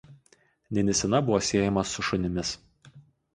Ninisina buvo siejama su šunimis.